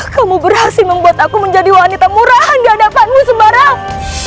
kamu berhasil membuat aku menjadi wanita murahan di hadapanmu sembarang